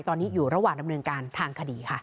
ตอนนี้อยู่ระหว่างดำเนินการทางคดีค่ะ